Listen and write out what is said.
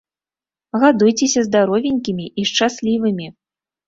Гадуйцеся здаровенькімі і шчаслівымі.